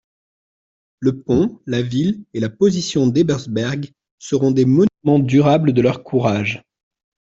Le pont, la ville, et la position d'Ebersberg, serons des monumens durables de leur courage.